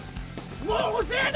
もう遅えだ！